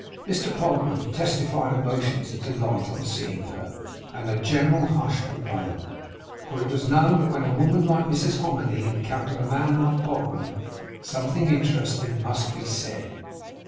Mr Pogram testified emotions of delight on seeing her, and a general hush prevailed. For it was known that when a woman like Mrs Hominy encountered a man like Pogram, something interesting must be said.